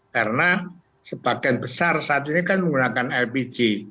karena sebagian besar saat ini kan menggunakan lpg